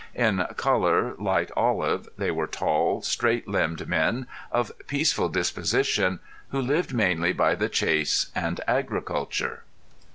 In color light olive, they were tall straight limbed men of peaceful disposition who lived mainly by the chase and agriculture."